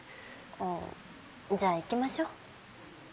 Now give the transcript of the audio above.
あぁじゃあ行きましょ。